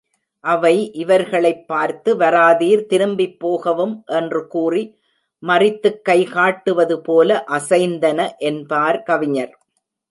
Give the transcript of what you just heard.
அவை இவர்களைப் பார்த்து, வராதீர் திரும்பிப் போகவும் என்று கூறி மறித்துக் கைகாட்டுவது போல அசைந்தன என்பார் கவிஞர்.